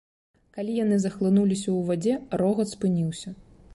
Калі яны захлынуліся ў вадзе, рогат спыніўся.